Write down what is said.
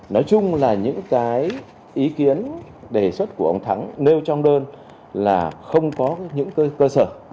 nói chung là những cái ý kiến đề xuất của ông thắng nêu trong đơn là không có những cơ sở